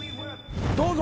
どうぞ。